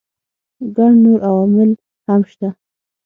ګڼ نور عوامل هم شته.